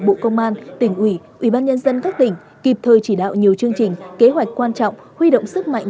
bộ công an tỉnh ủy ubnd các tỉnh kịp thời chỉ đạo nhiều chương trình kế hoạch quan trọng huy động sức mạnh